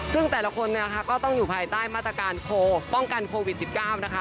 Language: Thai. ซึ่งแต่ละคนก็ต้องอยู่ภายใต้มาตรการโควิด๑๙นะคะ